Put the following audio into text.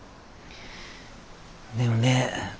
でもね